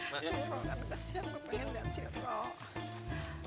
masih mau makan besi gue pengen makan sirop